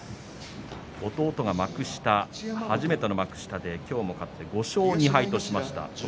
弟が初めての幕下で今日も勝って５勝２敗としました。